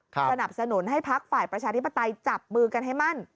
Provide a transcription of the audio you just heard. สนับสนุนให้พักฝ่ายประชาธิปไตยจับมือกันให้มั่น